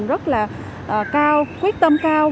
rất là cao quyết tâm cao